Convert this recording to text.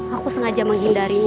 aku sengaja menghindarimu